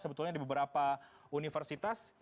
sebetulnya di beberapa universitas